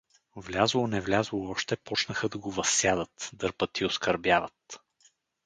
Влязло-невлязло още, почнаха да го възсядат, дърпат и оскърбяват.